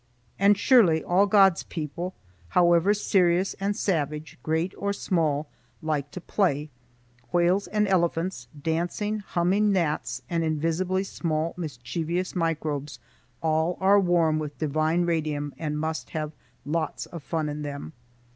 And surely all God's people, however serious and savage, great or small, like to play. Whales and elephants, dancing, humming gnats, and invisibly small mischievous microbes,—all are warm with divine radium and must have lots of fun in them.